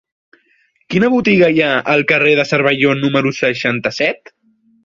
Quina botiga hi ha al carrer de Cervelló número seixanta-set?